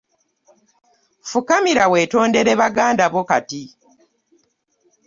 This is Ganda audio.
Fukamira wetondere baganda bo kati.